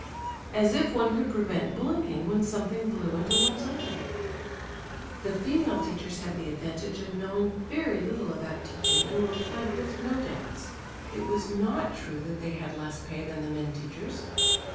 As if one could prevent blinking, when something blew into one's eye! The female teachers had the advantage of knowing very little about teaching and were plagued with no doubts. It was not true that they had less pay than the men teachers.